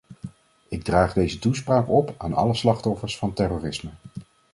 Ik draag deze toespraak op aan alle slachtoffers van terrorisme.